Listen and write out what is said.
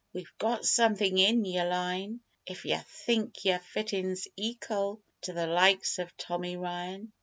We've got somethin' in yer line If yer think your fitin's ekal to the likes of Tommy Ryan.